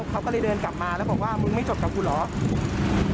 เขาก็เลยเดินกลับมาแล้วบอกว่ามึงไม่จบกับกูเหรอ